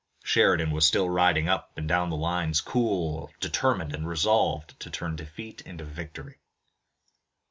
Sheridan was still riding up and down the lines, cool, determined and resolved to turn defeat into victory.